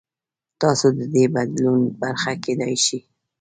تاسو د دې بدلون برخه کېدای شئ.